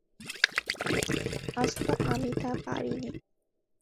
আজ তো আমি তা পারি নে।